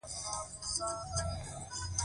پمپ مخکې ده